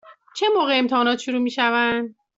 چه موقع امتحانات شروع می شوند؟